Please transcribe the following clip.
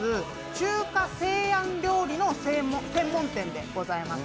中華西安料理の専門店でございます。